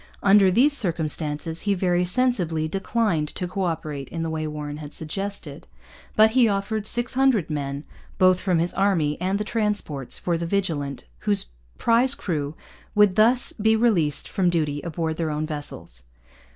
Under these circumstances he very sensibly declined to co operate in the way Warren had suggested. But he offered 600 men, both from his army and the transports, for the Vigilant, whose prize crew would thus be released for duty aboard their own vessels.